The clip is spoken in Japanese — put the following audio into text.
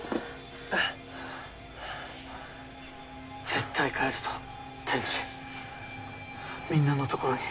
絶対帰るぞ天智みんなのところに。